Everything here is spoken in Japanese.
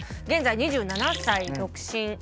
現在２７歳独身。